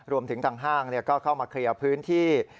รวมถึงทางห้างก็เคลียร์ไปพื้นที่